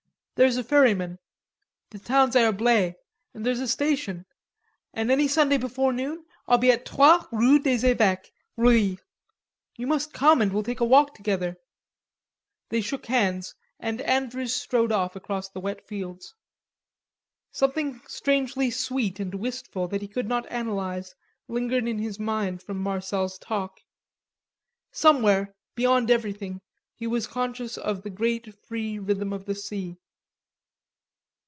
There's a ferryman. The town's Herblay, and there's a station.... And any Sunday before noon I'll be at 3 rue des Eveques, Reuil. You must come and we'll take a walk together." They shook hands, and Andrews strode off across the wet fields. Something strangely sweet and wistful that he could not analyse lingered in his mind from Marcel's talk. Somewhere, beyond everything, he was conscious of the great free rhythm of the sea.